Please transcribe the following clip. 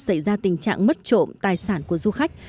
xảy ra tình trạng mất trộm tài sản của du khách